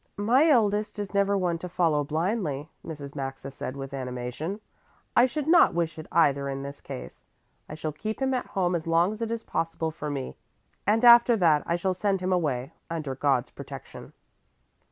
"My eldest is never one to follow blindly," Mrs. Maxa said with animation. "I should not wish it either in this case. I shall keep him at home as long as it is possible for me, and after that I shall send him away under God's protection."